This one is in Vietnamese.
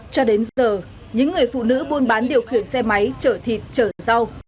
cho đến giờ những người phụ nữ buôn bán điều khiển xe máy chở thịt chở rau